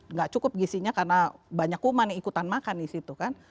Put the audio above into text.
enggak cukup gisinya karena banyak kuman yang ikutan makan disitu kan